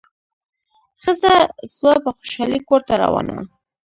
ښځه سوه په خوشالي کورته روانه